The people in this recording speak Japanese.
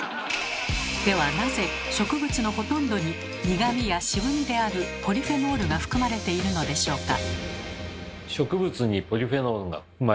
ではなぜ植物のほとんどに苦味や渋味であるポリフェノールが含まれているのでしょうか？